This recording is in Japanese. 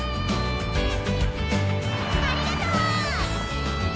ありがとう！